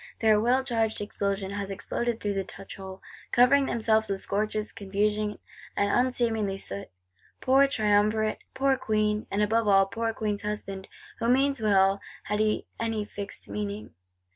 Their well charged explosion has exploded through the touch hole; covering themselves with scorches, confusion, and unseemly soot! Poor Triumvirate, poor Queen; and above all, poor Queen's Husband, who means well, had he any fixed meaning!